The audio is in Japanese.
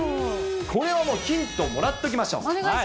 これはもう、ヒントもらっときましょう。